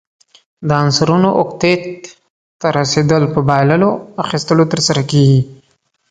د عنصرونو اوکتیت ته رسیدل په بایللو، اخیستلو ترسره کیږي.